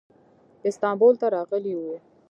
استانبول ته راغلی و.